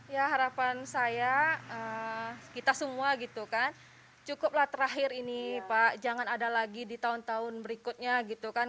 ya harapan saya kita semua gitu kan cukuplah terakhir ini pak jangan ada lagi di tahun tahun berikutnya gitu kan